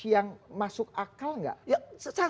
yang masuk akal nggak